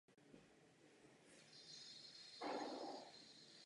Plebánie v pozdější době zanikla.